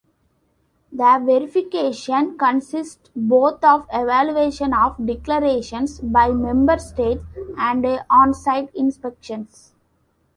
The verification consists both of evaluation of declarations by member states and on-site inspections.